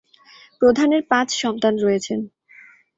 প্রধানের পাঁচ সন্তান রয়েছেন।